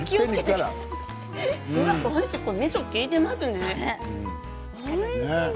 みそ利いていますね。